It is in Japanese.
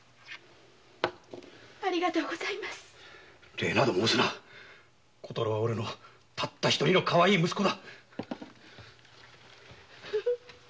礼など申すな小太郎はオレのたった一人のかわいい息子だ。